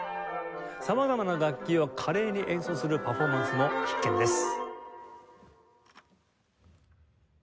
様々な楽器を華麗に演奏するパフォーマンスも必見です。